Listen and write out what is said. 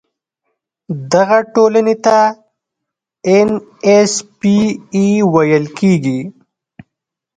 دغه ټولنې ته ان ایس پي اي ویل کیږي.